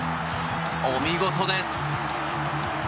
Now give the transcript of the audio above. お見事です。